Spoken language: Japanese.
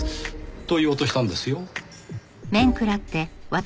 と言おうとしたんですよ。